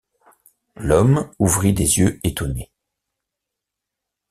L’homme ouvrit des yeux étonnés.